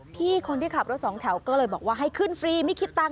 พี่คนที่ขับรถสองแถวก็เลยบอกว่าให้ขึ้นฟรีไม่คิดตังค์